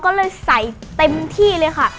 ก็เลยใส่เต็มที่เลยค่ะ